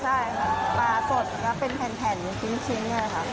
ใช่ปลาสดแล้วเป็นแผ่นอยู่ชิ้นนี่ครับ